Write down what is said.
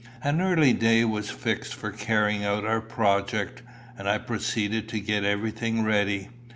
An early day was fixed for carrying out our project, and I proceeded to get everything ready.